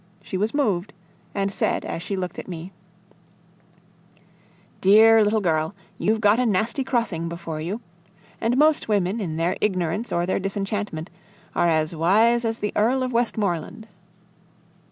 She was moved, and said, as she looked at me: "Dear little girl, you've got a nasty crossing before you. And most women, in their ignorance or their disenchantment, are as wise as the Earl of Westmoreland!"